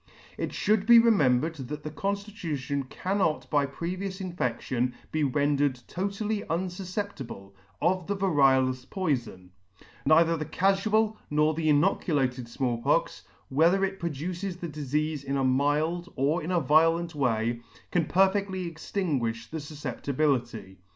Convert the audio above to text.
It fhould be remembered that the conditution cannot by pre vious infedion be rendered totally unfufceptible of the variolous poifon j neither the cafual nor the inoculated Small Pox, whether it produces the difeafe in a mild or in a violent way, can per fedly extinguifli the fufceptibility.